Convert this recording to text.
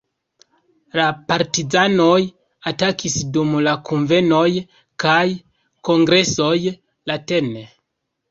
La "Partizanoj" atakis dum la kunvenoj kaj kongresoj la tn.